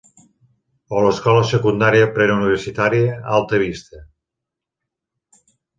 O l'Escola Secundària Preuniversitària Alta Vista.